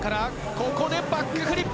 ここでバックフリップ。